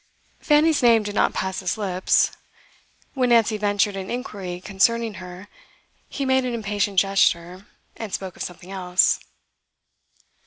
Fanny's name did not pass his lips; when Nancy ventured an inquiry concerning her, he made an impatient gesture, and spoke of something else.